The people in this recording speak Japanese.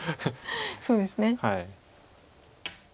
そうですね。